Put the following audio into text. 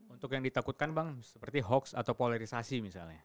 untuk yang ditakutkan bang seperti hoax atau polarisasi misalnya